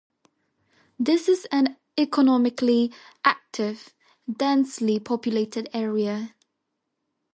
This is an economically active, densely populated area.